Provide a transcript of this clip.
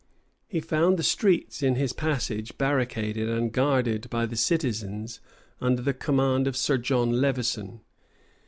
He found the streets in his passage barricaded and guarded by the citizens under the command of Sir John Levison.